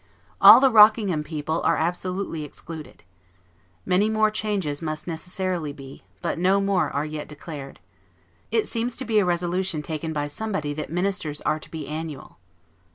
All the Rockingham people are absolutely excluded. Many more changes must necessarily be, but no more are yet declared. It seems to be a resolution taken by somebody that Ministers are to be annual.